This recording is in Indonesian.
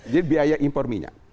jadi biaya impor minyak